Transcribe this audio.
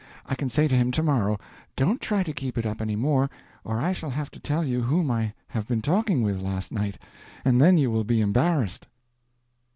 —I can say to him to morrow, 'Don't try to keep it up any more, or I shall have to tell you whom I have been talking with last night, and then you will be embarrassed.